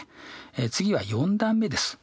次は４段目です。